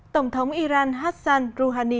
tổng thống iran hassan rouhani